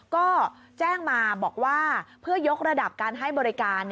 ก็แจ้งมาบอกว่าเพื่อยกระดับการให้บริการ